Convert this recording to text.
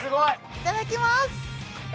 いただきます。